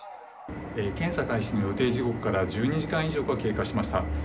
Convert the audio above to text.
検査開始の予定時刻から１２時間以上が経過しました。